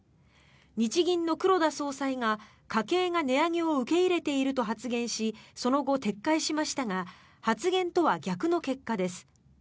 日銀の黒田総裁が家計が値上げを受け入れていると発言しその後、撤回しましたが発言とは逆の結果です。